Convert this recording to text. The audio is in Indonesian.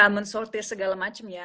yang men sortir segala macem ya